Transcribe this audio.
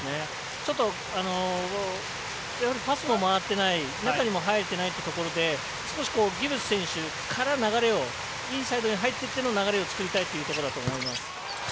ちょっと、パスも回っていない中にも入ってないというところで少しギブス選手から流れをインサイドに入ってきてからの流れを作りたいというところだと思います。